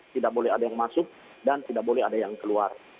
tidak boleh ada yang masuk dan tidak boleh ada yang keluar